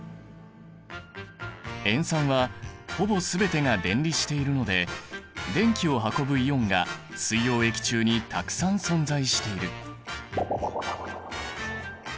塩酸はほぼ全てが電離しているので電気を運ぶイオンが水溶液中にたくさん存在している。